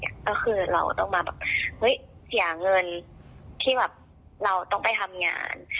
ก็คือเราต้องมาเสียเงินที่เราต้องไปทำงาน